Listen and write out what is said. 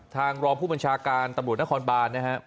รองผู้บัญชาการตำรวจนครบานนะครับ